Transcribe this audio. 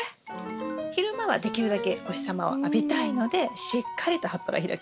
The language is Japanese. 昼間はできるだけお日様を浴びたいのでしっかりと葉っぱが開きます。